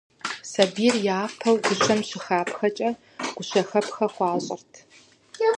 Сабийр япэу гущэм щыхапхэкӀэ гущэхэпхэ хуащӀырт.